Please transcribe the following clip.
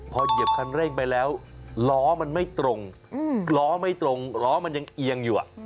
พอเหยียบคันเร่งไปแล้วล้อมันไม่ตรงล้อไม่ตรงล้อมันยังเอียงอยู่